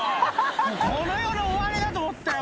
この世の終わりだと思ったよ